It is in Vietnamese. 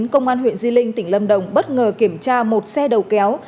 công an huyện di linh tỉnh lâm đồng bất ngờ kiểm tra một xe đầu kéo